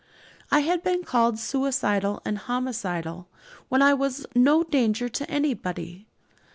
I had been called suicidal and homicidal when I was no danger to anybody.